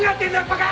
バカ！